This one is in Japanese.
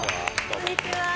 こんにちは。